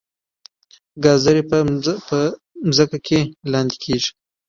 ګازرې په ځمکه کې لاندې کیږي